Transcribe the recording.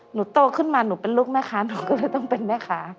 หนูโตขึ้นมาหนูเป็นลูกแม่ค้าหนูก็เลยต้องเป็นแม่ค้า